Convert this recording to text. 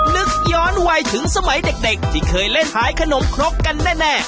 นึกย้อนวัยถึงสมัยเด็กที่เคยเล่นขายขนมครกกันแน่